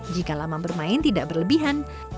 jika lama bermain tidak berlebihan